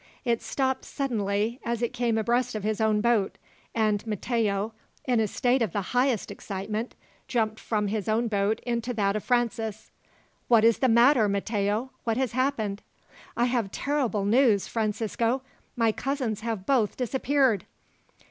It stopped suddenly as it came abreast of his own boat, and Matteo, in a state of the highest excitement, jumped from his own boat into that of Francis. "What is the matter, Matteo? What has happened?" "I have terrible news, Francisco. My cousins have both disappeared."